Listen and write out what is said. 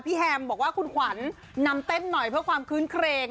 แฮมบอกว่าคุณขวัญนำเต้นหน่อยเพื่อความคืนเครง